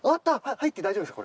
入って大丈夫ですか？